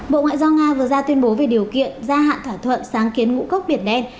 bộ ngoại giao nga vừa ra tuyên bố về điều kiện gia hạn thỏa thuận sáng kiến ngũ cốc biển đen